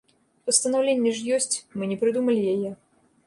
Пастанаўленне ж ёсць, мы не прыдумалі яе.